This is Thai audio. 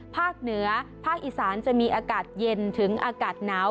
ภาคเหนือภาคอีสานจะมีอากาศเย็นถึงอากาศหนาว